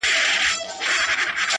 زه خو دا يم ژوندی يم،